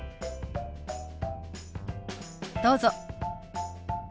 どうぞ。